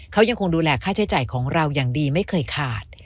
เขายังคงดูแลค่าใช้จ่ายของเราอย่างดีไม่เคยขาด